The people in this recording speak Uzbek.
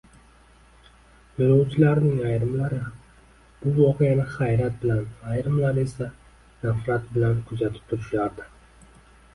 Yoʻlovchilarning ayrimlari bu voqeani hayrat bilan, ayrimlari esa nafrat bilan kuzatib turishardi.